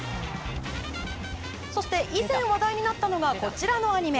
そして、以前話題になったのがこちらのアニメ。